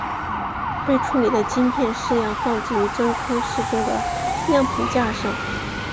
被处理的晶片试样放置于真空室中的样品架上。